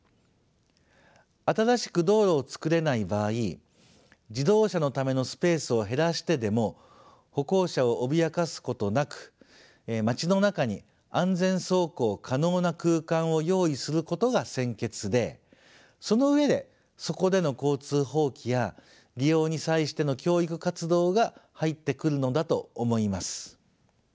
新しく道路をつくれない場合自動車のためのスペースを減らしてでも歩行者を脅かすことなく街の中に安全走行可能な空間を用意することが先決でその上でそこでの交通法規や利用に際しての教育活動が入ってくるのだと思います。